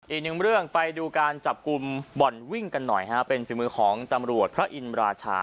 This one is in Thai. อีกหนึ่งเรื่องไปดูการจับกลุ่มบ่อนวิ่งกันหน่อยฮะเป็นฝีมือของตำรวจพระอินราชา